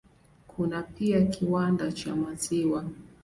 Kuna pia kiwanda cha maziwa.